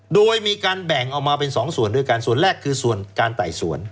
โดยมีการแบ่งเอามาเป็นสองส่วนด้วยกันส่วนแรกคือส่วนการไต่สวน